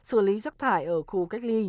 xử lý rác thải ở khu cách ly